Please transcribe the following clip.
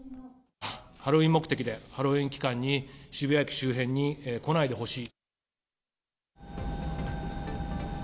ハロウィーン目的でハロウィーン期間に渋谷駅周辺に来ないでほしい。